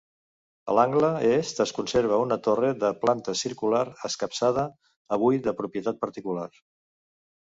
A l'angle est es conserva una torre de planta circular, escapçada, avui de propietat particular.